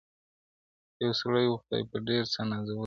• یو سړی وو خدای په ډېر څه نازولی,